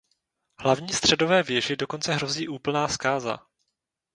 Hlavní středové věži dokonce hrozí úplná zkáza.